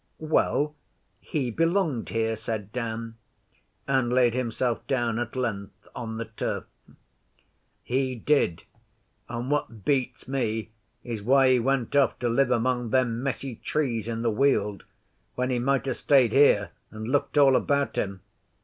'Well, he belonged here,' said Dan, and laid himself down at length on the turf. 'He did. And what beats me is why he went off to live among them messy trees in the Weald, when he might ha' stayed here and looked all about him.